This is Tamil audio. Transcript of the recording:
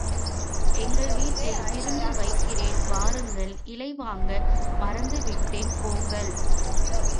எங்கள் வீட்டில் விருந்து வைக்கிறேன் வாருங்கள் இலை வாங்க மறந்துவிட்டேன் போங்கள்.